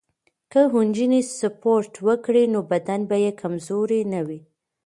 که نجونې سپورت وکړي نو بدن به یې کمزوری نه وي.